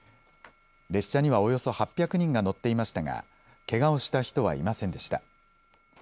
列車にはおよそ８００人が乗っていましたがけがをした人はいませんでした。